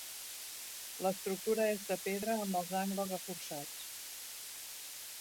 L'estructura és de pedra amb els angles reforçats.